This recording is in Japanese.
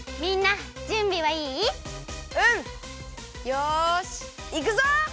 よしいくぞ！